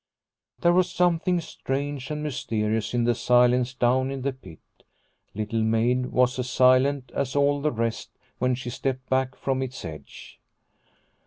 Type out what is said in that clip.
There was something strange and mysterious in the silence down in the pit. Little Maid was as silent as all the rest when she stepped back from its edge.